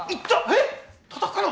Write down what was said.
えったたくの！？